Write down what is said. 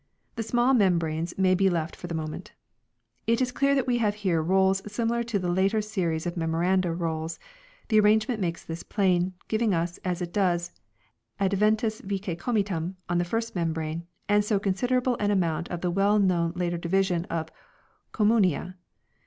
The small membranes may be left for the moment. It is clear that we have here rolls similar to the later series of Memoranda Rolls ; the arrangement makes this plain, giving us, as it does, " Adventus Vicecomitum " on the first membrane and so consider able an amount of the well known later division of " Communia